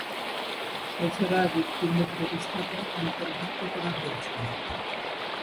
এছাড়া হৃৎপিণ্ড প্রতিস্থাপন অন্তর্ভুক্ত করা হয়েছে।